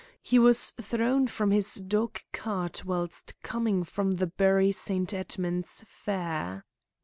He was thrown from his dog cart whilst coming from the Bury St. Edmund's fair."